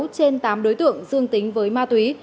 trên tám đối tượng dương tính với ma túy